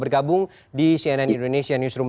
bergabung di cnn indonesia newsroom